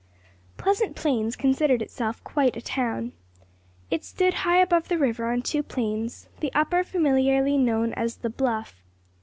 PLEASANT PLAINS considered itself quite a town. It stood high above the river on two plains, the upper familiarly known as the "Bluff."